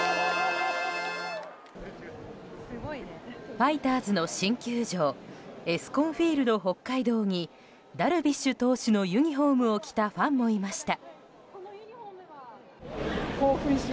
ファイターズの新球場エスコンフィールドＨＯＫＫＡＩＤＯにダルビッシュ投手のユニホームを着たファンもいました。